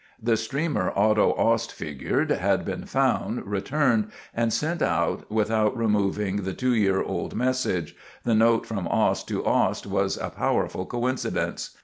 The streamer, Otto Ost figured, had been found, returned, and sent out without removing the two year old message. The note from Ost to Ost was a powerful coincidence.